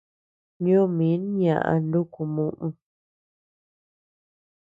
Ñoo min ñaʼa nuku muʼu.